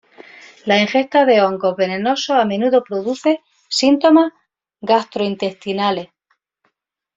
La ingesta de hongos venenosos a menudo produce síntomas gastrointestinales.